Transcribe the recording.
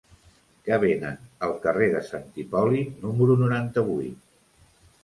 Què venen al carrer de Sant Hipòlit número noranta-vuit?